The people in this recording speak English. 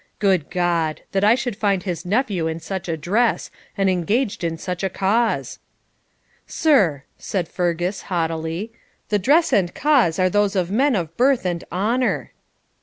Good God! that I should find his nephew in such a dress, and engaged in such a cause!' 'Sir,' said Fergus, haughtily, 'the dress and cause are those of men of birth and honour.'